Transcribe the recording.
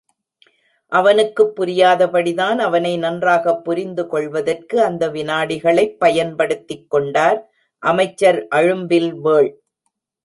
அவனுக்குப் புரியாதபடி தான் அவனை நன்றாகப் புரிந்து கொள்வதற்கு அந்த விநாடிகளைப் பயன்படுத்திக் கொண்டார் அமைச்சர் அழும்பில்வேள்.